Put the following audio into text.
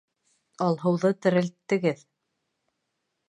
Алһыуҙы терелттегеҙ.